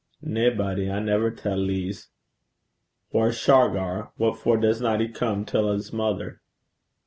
'Naebody. I never tell lees.' 'Whaur's Shargar? What for doesna he come till 's mither?'